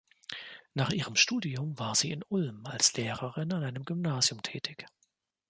Nach ihrem Studium war sie in Ulm als Lehrerin an einem Gymnasium tätig.